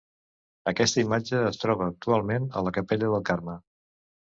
Aquesta imatge es troba actualment a la Capella del Carme.